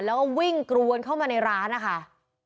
แล้วก็วิ่งกรวนเข้ามาในร้านนะคะ